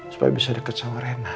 supaya bisa deket sama rena